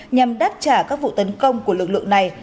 nhằm đáp trả các vụ tấn công của lực lượng này